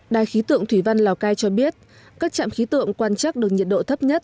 đài khí tượng thủy văn lào cai cho biết các trạm khí tượng quan trắc được nhiệt độ thấp nhất